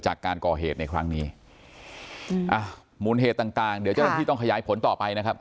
จากการก่อเหตุในครั้งนี้อ่ะมูลเหตุต่างต่างเดี๋ยวเจ้าหน้าที่ต้องขยายผลต่อไปนะครับ